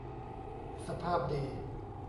สภาพดี